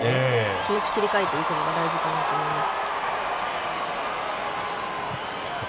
気持ちを切り替えていくのが大事かと思います。